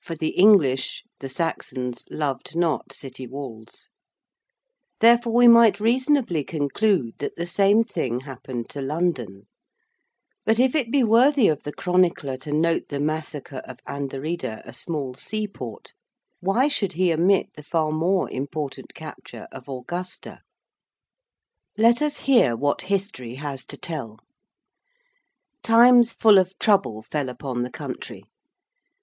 For the English the Saxons loved not city walls. Therefore, we might reasonably conclude that the same thing happened to London. But if it be worthy of the chronicler to note the massacre of Anderida, a small seaport, why should he omit the far more important capture of Augusta? On this subject, see the author's book London (Chatto & Windus). Let us hear what history has to tell. Times full of trouble fell upon the country.